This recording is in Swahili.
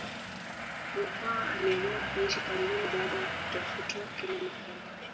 mkwawa aliamua kuishi pangoni baada ya kutafutwa kila mahali